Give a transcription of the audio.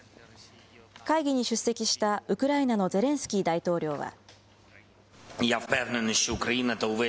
会議に出席したウクライナのゼレンスキー大統領は。